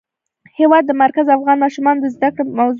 د هېواد مرکز د افغان ماشومانو د زده کړې موضوع ده.